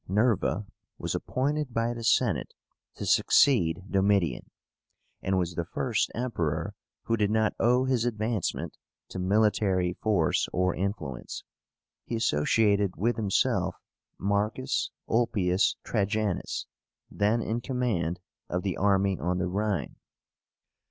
NERVA was appointed by the Senate to succeed Domitian, and was the first Emperor who did not owe his advancement to military force or influence. He associated with himself MARCUS ULPIUS TRAJANUS, then in command of the army on the Rhine.